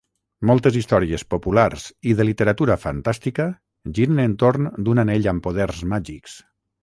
Moltes històries populars i de literatura fantàstica giren entorn d'un anell amb poders màgics.